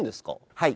はい。